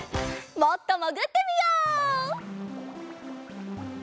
もっともぐってみよう！